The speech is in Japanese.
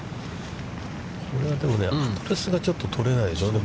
これはでもアドレスがちょっと取れないですね。